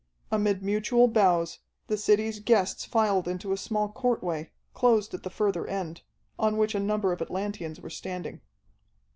Amid mutual bows, the city's guests filled into a small court way, closed at the further end, on which a number of Atlanteans were standing.